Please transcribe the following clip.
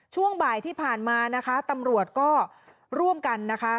ช่วงบ่ายที่ผ่านมานะคะตำรวจก็ร่วมกันนะคะ